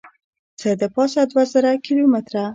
څه دپاسه دوه زره کیلو متره